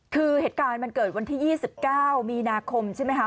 คือเหตุการณ์มันเกิดวันที่๒๙มีนาคมใช่ไหมคะ